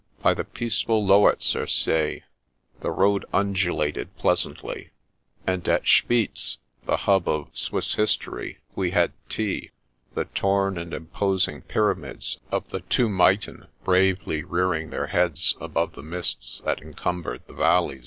By the peaceful Lowerzer See the road undulated pleasantly, and at Schwyz (the hub of Swiss history) we had tea, the torn and imposing pyramids of the two Myten bravely rear ing their heads above the mists that encumbered the valleys.